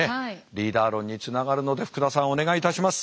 リーダー論につながるので福田さんお願いいたします。